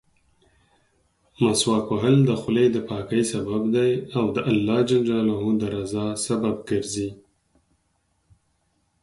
مسواک وهل د خولې دپاکۍسبب دی او د الله جل جلاله درضا سبب ګرځي.